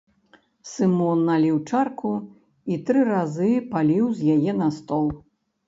Сымон наліў чарку і тры разы паліў з яе на стол.